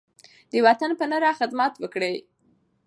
د وطن په نره خدمت وکړئ.